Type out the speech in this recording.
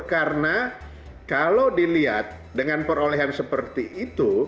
karena kalau dilihat dengan perolehan seperti itu